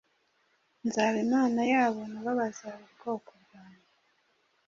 nzaba Imana yabo na bo bazaba ubwoko bwanjye.